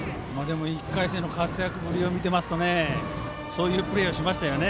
１回戦の活躍ぶりを見ていますとそういうプレーをしましたよね。